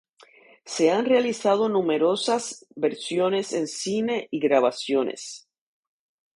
Se han realizado numerosas versiones en cine y grabaciones.